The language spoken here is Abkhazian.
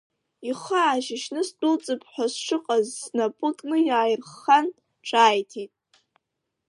Ихы аашьшьны сдәылҵып ҳәа сшыҟаз снапы кны иааирыххан, ҿааиҭит…